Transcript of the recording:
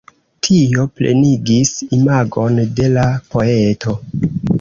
Tio plenigis imagon de la poeto.